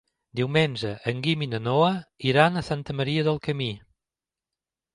Diumenge en Guim i na Noa iran a Santa Maria del Camí.